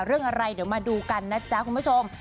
เรื่องอะไรเดี๋ยวมาดูกันนะจ๊ะคุณผู้ชม